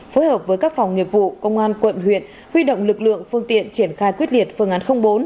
phối hợp với các phòng nghiệp vụ công an quận huyện huy động lực lượng phương tiện triển khai quyết liệt phương án bốn